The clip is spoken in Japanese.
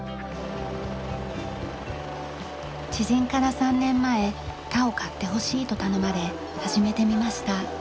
知人から３年前田を買ってほしいと頼まれ始めてみました。